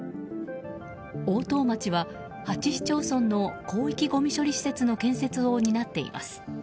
大任町は８市町村の広域ごみ処理施設の建設を担っています。